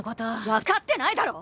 分かってないだろ！？